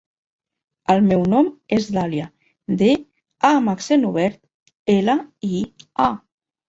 El meu nom és Dàlia: de, a amb accent obert, ela, i, a.